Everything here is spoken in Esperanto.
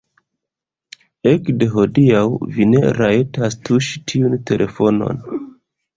Ekde hodiaŭ vi ne rajtas tuŝi tiun telefonon.